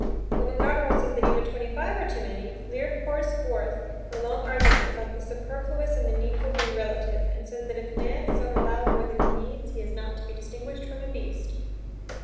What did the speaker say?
But when Goneril says that even twenty five are too many, Lear pours forth a long argument about the superfluous and the needful being relative and says that if man is not allowed more than he needs, he is not to be distinguished from a beast.